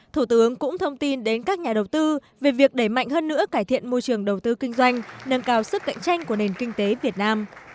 đây là cơ hội cho các nhà đầu tư về việc đẩy mạnh hơn nữa cải thiện môi trường đầu tư kinh doanh nâng cao sức cạnh tranh của nền kinh tế việt nam